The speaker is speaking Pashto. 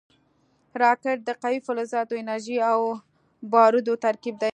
راکټ د قوي فلزاتو، انرژۍ او بارودو ترکیب دی